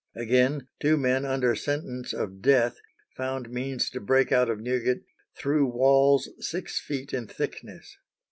Again, two men under sentence of death found means to break out of Newgate "through walls six feet in thickness."